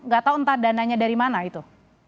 gak tahu entah dananya dari mana itu